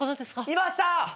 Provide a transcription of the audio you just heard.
・いました！